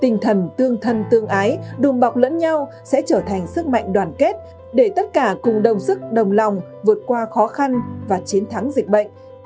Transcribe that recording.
tinh thần tương thân tương ái đùm bọc lẫn nhau sẽ trở thành sức mạnh đoàn kết để tất cả cùng đồng sức đồng lòng vượt qua khó khăn và chiến thắng dịch bệnh